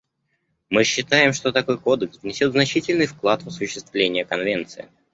Мы считаем, что такой кодекс внесет значительный вклад в осуществление Конвенции.